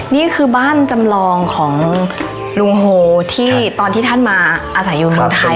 นี่คือบ้านจำลองของลุงโฮที่ตอนที่ท่านมาอาศัยอยู่เมืองไทย